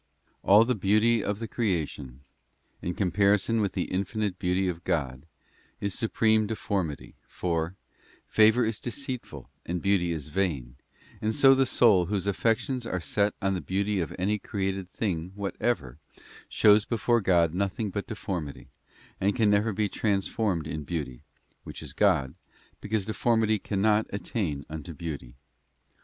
All the beauty of the creation, in comparison with 2 Beauty. the infinite Beauty of God, is supreme deformity, for ' Favour is deceitful and beauty is vain,* and so the soul whose affections are set on the beauty of any created thing whatever ' shows before God nothing but deformity, and can never be transformed in Beauty, which is God, because deformity can not attain unto beauty.